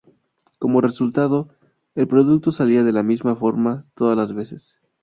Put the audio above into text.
Como resultado, el producto salía de la misma forma todas las veces.